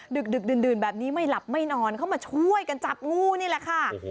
ดึกดื่นแบบนี้ไม่หลับไม่นอนเขามาช่วยกันจับงูนี่แหละค่ะ